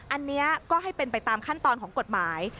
อันนี้ก็ให้เป็นไปตามขั้นตอนของกฎหมาย